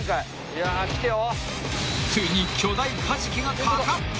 いやきてよ。